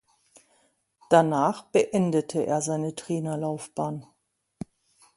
Danach beendete er seine Trainerlaufbahn.